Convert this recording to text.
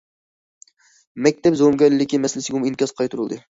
مەكتەپ زومىگەرلىكى مەسىلىسىگىمۇ ئىنكاس قايتۇرۇلدى.